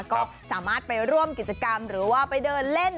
ก็สามารถไปร่วมกิจกรรมหรือว่าไปเดินเล่น